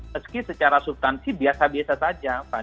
meski secara substansi biasa biasa saja